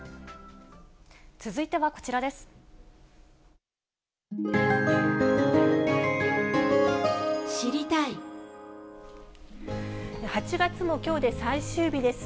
続いてはこちらです。